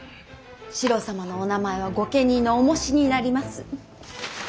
四郎様のお名前は御家人のおもしになります。